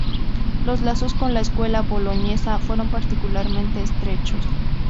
Los lazos con la escuela boloñesa fueron particularmente estrechos.